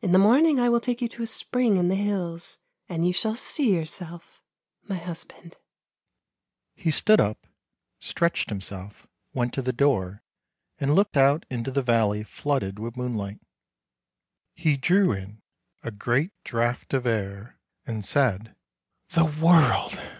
In the morning I will take you to a spring in the hills, and you shall see yourself, my hus band." " He stood up, stretched himself, went to the door, THE FORGE IN THE VALLEY. 359 and looked out into the valley flooded with moonlight. He drew in a great draught of air, and said, " The world